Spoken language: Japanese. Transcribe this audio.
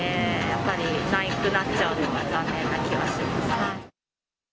やっぱりなくなっちゃうのは残念な気がします。